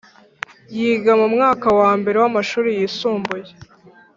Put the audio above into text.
yiga mu mwaka wa mbere w’amashuri yisumbuye